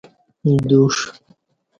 دوݜ